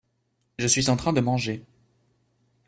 Je suis en train de manger.